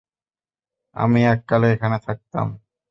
আমি এককালে এখানে থাকতাম।